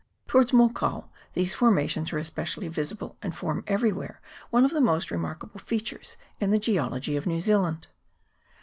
Towards Mokau these formations are especially visible, and form every where one of the most remarkable features in the geology of New Zealand.